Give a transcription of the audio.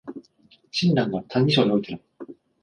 親鸞が「歎異抄」においての